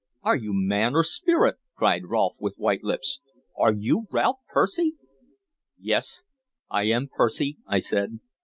"Are you man or spirit?" cried Rolfe through white lips. "Are you Ralph Percy?" "Yes, I am Percy," I said.